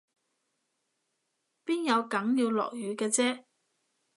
邊有梗要落雨嘅啫？